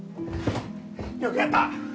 よくやった！